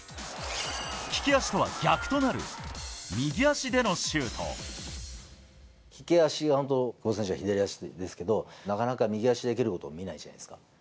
利き足とは逆となる右足での利き足が本当、久保選手は左足ですけれども、なかなか右足で蹴ることを見ないじゃないですか。